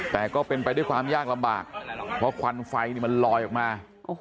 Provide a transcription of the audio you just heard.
แต่ก็เป็นไปด้วยความยากลำบากเพราะควันไฟมันลอยออกมา